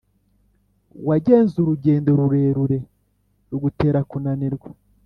Wagenze urugendo rurerure rugutera kunanirwa